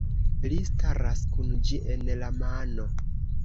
Li staras kun ĝi en la mano.